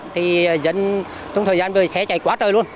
thì dân trong thời gian rồi xe chạy quá trời luôn